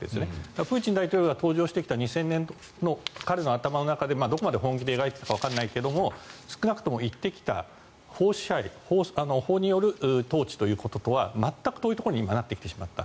プーチンが登場してきた２０００年代彼がどこまで本気で描いていたかわからないけど少なくとも言ってきた法支配法による統治ということとは全く遠いところに今、なってきてしまった。